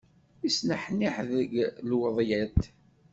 Isneḥniḥ deg lweḍyat.